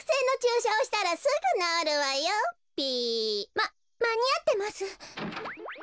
ままにあってます。